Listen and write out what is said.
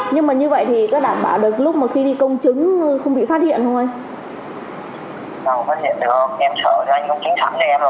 nhưng mà như vậy thì cứ đảm bảo được lúc mà khi đi công chứng không bị phát hiện không